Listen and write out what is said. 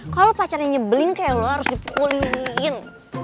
kalo pacarnya nyebelin kayak lo harus dipukulin